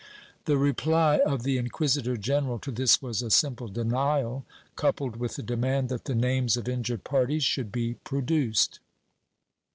The reply of the inquisitor general to this was a simple denial, coupled with the demand that the names of injured parties should be produced.